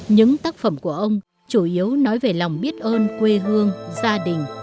những tác phẩm của ông chủ yếu nói về lòng biết ơn quê hương gia đình